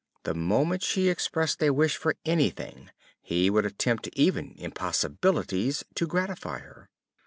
The moment she expressed a wish for anything, he would attempt even impossibilities to gratify her.